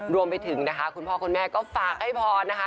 รวมไปถึงนะคะคุณพ่อคุณแม่ก็ฝากให้พรนะคะ